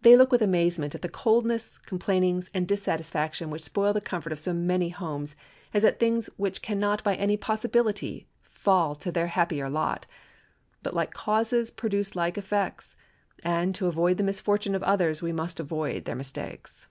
They look with amazement at the coldness, complainings, and dissatisfaction which spoil the comfort of so many, homes as at things which can not by any possibility fall to their happier lot. But like causes produce like effects, and to avoid the misfortune of others we must avoid their mistakes.